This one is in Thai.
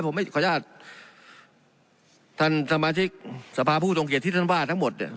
ผมไม่ขออนุญาตท่านสมาชิกสภาผู้ทรงเกียจที่ท่านว่าทั้งหมดเนี่ย